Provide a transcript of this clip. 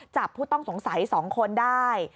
ผู้ต้องสงสัย๒คนได้